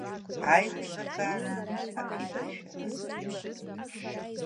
Аилибакаара, аԥибашәара…